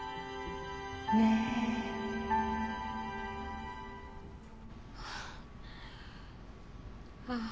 ねえああ。